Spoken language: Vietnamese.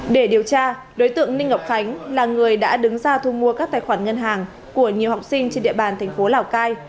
để điều tra đối tượng ninh ngọc khánh là người đã đứng ra thu mua các tài khoản ngân hàng của nhiều học sinh trên địa bàn thành phố lào cai